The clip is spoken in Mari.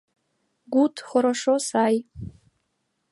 Гут — хорошо, сай.